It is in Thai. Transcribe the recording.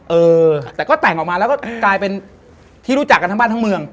เออแต่ก็แต่งออกมาแล้วก็กลายเป็นที่รู้จักกันทั้งบ้านทั้งเมือง